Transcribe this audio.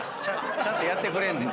ちゃんとやってくれんねん。